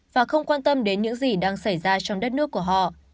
và không quan tâm đến những gì đang xảy ra trong đất nước của họ